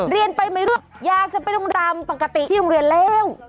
เรียนไปไม่รู้อยากจะไปโรงแรมปกติที่โรงเรียนแล้ว